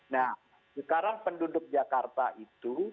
nah sekarang penduduk jakarta itu